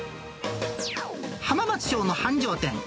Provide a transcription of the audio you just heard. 浜松町の繁盛店。